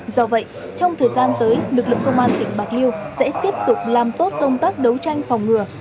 do vậy trong thời gian tới lực lượng công an tỉnh bạc liêu sẽ tiếp tục làm tốt công tác đấu tranh phòng ngừa